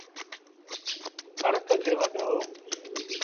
ڪڻڪ کي وڍو۔